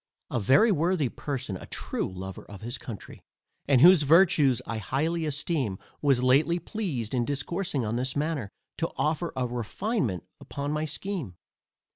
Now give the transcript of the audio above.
A very worthy person, a true lover of his country, and whose virtues I highly esteem, was lately pleased in discoursing on this matter, to offer a refinement upon my scheme.